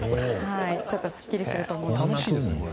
ちょっとすっきりすると思います。